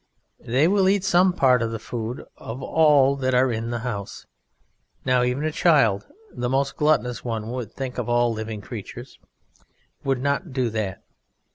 They will eat some part of the food of all that are in the house. Now even a child, the most gluttonous one would think of all living creatures, would not do that.